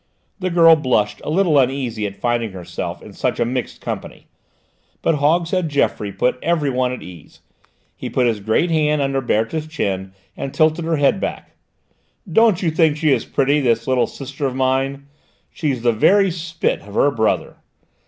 The girl blushed, a little uneasy at finding herself in such a mixed company, but Hogshead Geoffroy put every one at ease; he put his great hand under Berthe's chin and tilted her head back. "Don't you think she is pretty, this little sister of mine? She's the very spit of her brother!"